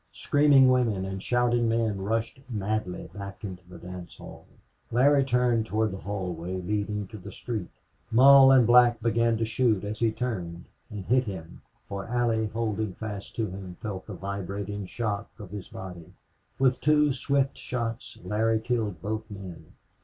Screaming women and shouting men rushed madly back into the dance hall. Larry turned toward the hallway leading to the street. Mull and Black began shooting as he turned, and hit him, for Allie, holding fast to him, felt the vibrating shock of his body. With two swift shots Larry killed both men.